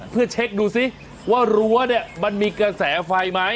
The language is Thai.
เพื่อเช็คดูซิว่ารั้วเนี่ยมันมีกระแสไฟไหม